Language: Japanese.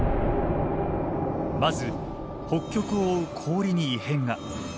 まず北極を覆う氷に異変が。